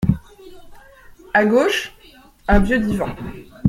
À gauche, un vieux divan…